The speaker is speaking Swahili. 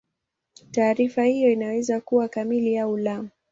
Taarifa hiyo inaweza kuwa kamili au la.